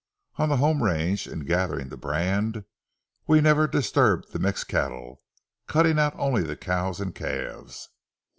On the home range, in gathering to brand, we never disturbed the mixed cattle, cutting out only the cows and calves.